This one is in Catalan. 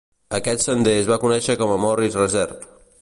Aquest sender es va conèixer com Morris Reserve.